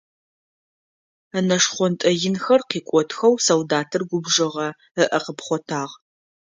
Ынэ шхъонтӏэ инхэр къикӏотхэу солдатыр губжыгъэ, ыӏэ къыпхъотагъ.